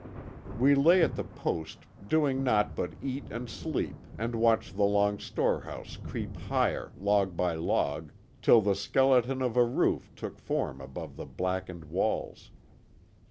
We lay at the post doing naught but eat and sleep and watch the long storehouse creep higher log by log, till the skeleton of a roof took form above the blackened walls.